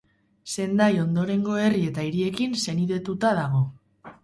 Sendai ondorengo herri eta hiriekin senidetuta dago.